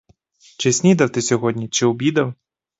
Чи снідав ти сьогодні чи обідав?